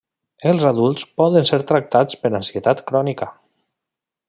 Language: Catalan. Els adults poden ser tractats per ansietat crònica.